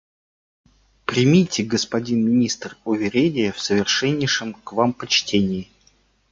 «Примите, господин министр, уверение в совершеннейшем к Вам почтении».